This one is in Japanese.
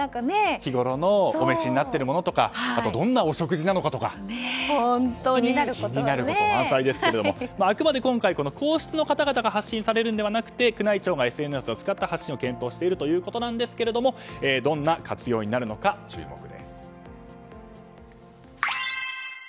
日ごろのお召しになっているものとかどんなお食事かとか気になること満載ですけどあくまで今回、皇室の方々が発信されるのではなくて宮内庁がＳＮＳを使った発信を検討しているということですがどんな活用になるのか注目です。